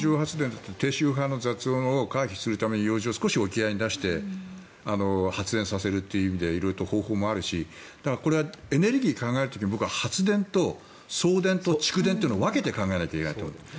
低周波の雑音を回避するために少し沖合に出して発電させるという意味で色々と方法もあるしエネルギーを考える時に発電と送電と蓄電というのを分けて考えないといけないと思うんです。